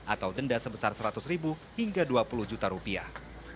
atau denda sebesar seratus ribu hingga dua puluh juta rupiah